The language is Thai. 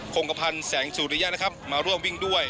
คงกระพันธ์แสงสุริยะนะครับมาร่วมวิ่งด้วย